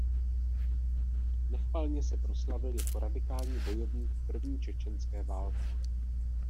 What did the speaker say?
Nechvalně se proslavil jako radikální bojovník v první čečenské válce.